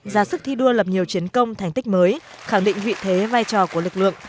ra sức thi đua lập nhiều chiến công thành tích mới khẳng định vị thế vai trò của lực lượng